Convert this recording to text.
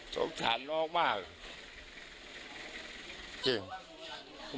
สงสารน้องมาก